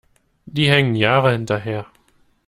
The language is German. Die hängen Jahre hinterher.